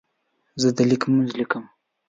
زه د لیک منځ لیکم.